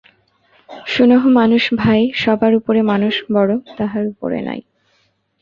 "শুনহ মানুষ ভাই, সবার উপরে মানুষ বড়, তাহার উপরে নাই।